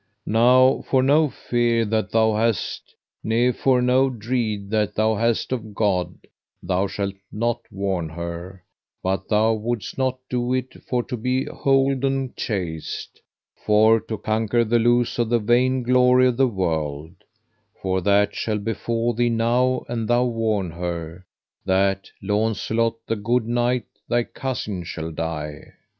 Now for no fear that thou hast, ne for no dread that thou hast of God, thou shalt not warn her, but thou wouldst not do it for to be holden chaste, for to conquer the loos of the vain glory of the world; for that shall befall thee now an thou warn her, that Launcelot, the good knight, thy cousin, shall die.